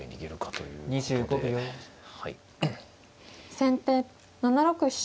先手７六飛車。